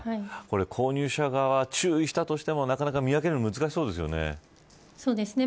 購入者側は、注意したとしてもなかなか見分けるのは難しそうですよね。